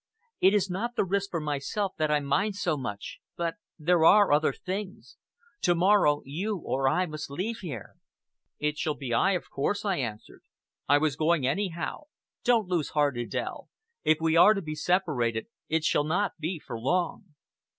It is not the risk for myself that I mind so much, but there are other things! To morrow you or I must leave here!" "It shall be I, of course," I answered. "I was going anyhow. Don't lose heart, Adèle. If we are to be separated, it shall not be for long!"